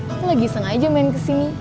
aku lagi sengaja main ke sini